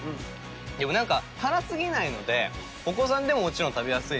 でもなんか辛すぎないのでお子さんでももちろん食べやすいですし。